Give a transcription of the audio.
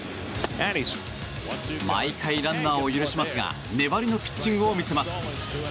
毎回ランナーを許しますが粘りのピッチングを見せます。